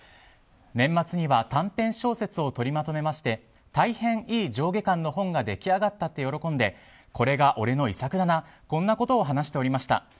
年末には短編小説を取りまとめまして大変いい上下巻の本が出来上がったと喜んで、これが俺の遺作だなとこんなことを話していました。